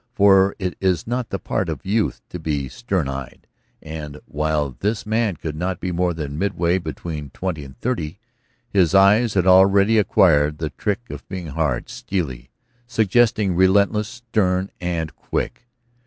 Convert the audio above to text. For it is not the part of youth to be stern eyed; and while this man could not be more than midway between twenty and thirty, his eyes had already acquired the trick of being hard, steely, suggesting relentlessness, stern and quick.